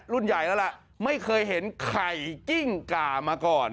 ใหญ่แล้วล่ะไม่เคยเห็นไข่กิ้งก่ามาก่อน